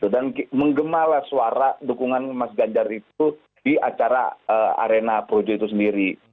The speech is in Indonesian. dan menggemalah suara dukungan mas ganjar itu di acara arena proyek itu sendiri